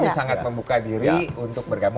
kami sangat membuka diri untuk bergabung